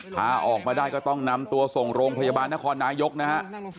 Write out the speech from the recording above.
พาออกมาได้ก็ต้องนำตัวส่งโรงพยาบาลนครนายกนะฮะ